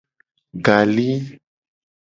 Gali.